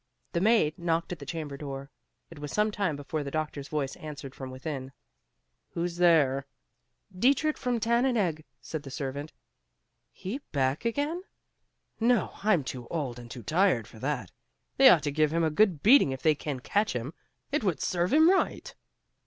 The maid knocked at the chamber door. It was some time before the doctor's voice answered from within, "Who's there?" "Dietrich from Tannenegg," said the servant. "He back again? No, I'm too old and too tired for that. They ought to give him a good beating if they can catch him; it would serve him right."